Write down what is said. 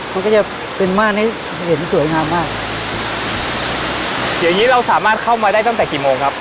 มันก็จะเป็นม่านให้เห็นสวยงามมากเดี๋ยวนี้เราสามารถเข้ามาได้ตั้งแต่กี่โมงครับ